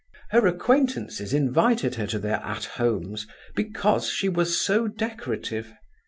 Her acquaintances invited her to their "At Homes" because she was so decorative.